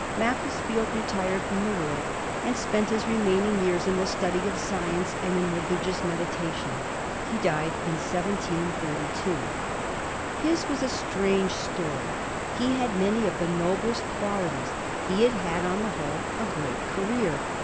Macclesfield retired firom the world, and spent his remaining years in the study of science, and in religious medi tation. He died in 1732. His was a strange story. He had many of the noblest qualities ; he had had, on the whole, a great career.